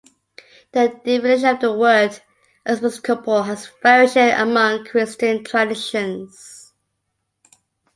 The definition of the word "episcopal" has variation among Christian traditions.